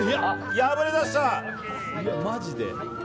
破れました。